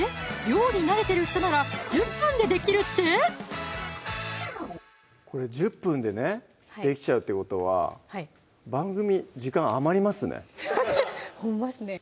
料理慣れてる人なら１０分でできるって⁉これ１０分でねできちゃうってことは番組時間余りますねほんまですね